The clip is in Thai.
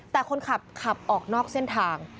แต่คนขับขับออกนอกเส้นทาง